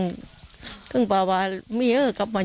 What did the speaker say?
สู้แก่เด็กหาคนที่ไม่ได้จีบ